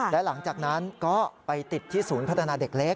และหลังจากนั้นก็ไปติดที่ศูนย์พัฒนาเด็กเล็ก